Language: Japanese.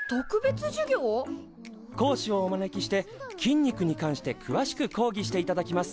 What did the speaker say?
講師をお招きして筋肉に関してくわしく講義していただきます。